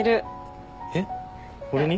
えっ俺に？